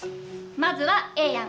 まずはＡ案。